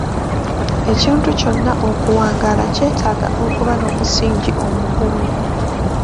Ekintu kyonna okuwangaala kyetaaga okuba n'omusingi omugumu.